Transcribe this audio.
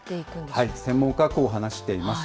専門家はこう話しています。